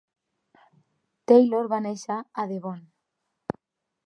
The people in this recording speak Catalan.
Taylor va néixer a Devon.